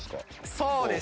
そうです。